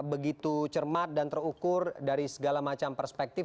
begitu cermat dan terukur dari segala macam perspektif